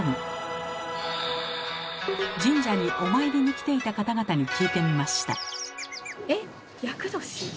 神社にお参りに来ていた方々に聞いてみました。